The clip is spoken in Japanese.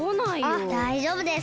あっだいじょうぶです。